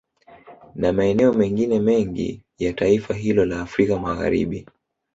Na maeneo mengine mengi ya taifa hilo la Afrika Magharibi